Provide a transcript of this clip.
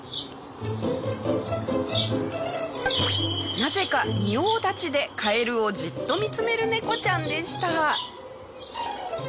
なぜか仁王立ちでカエルをじっと見つめる猫ちゃんでした。